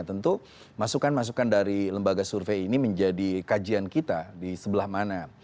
tentu masukan masukan dari lembaga survei ini menjadi kajian kita di sebelah mana